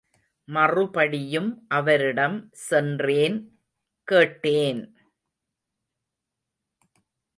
மறுபடியும் அவரிடம் சென்றேன் கேட்டேன்.